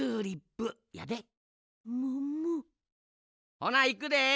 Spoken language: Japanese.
ほないくで。